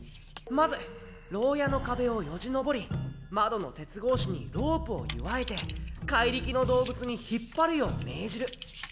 まず牢屋の壁をよじ登り窓の鉄格子にロープを結わえて怪力の動物に引っ張るよう命じる。